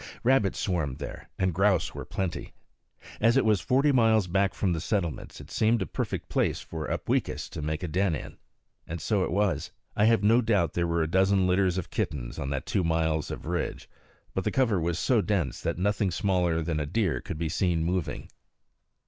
Rabbits swarmed there, and grouse were plenty. As it was forty miles back from the settlements, it seemed a perfect place for Upweekis to make a den in. And so it was. I have no doubt there were a dozen litters of kittens on that two miles of ridge; but the cover was so dense that nothing smaller than a deer could be seen moving.